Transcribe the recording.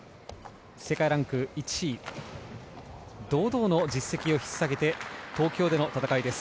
世界ランク１位堂々の実績を引っ提げて東京での戦いです。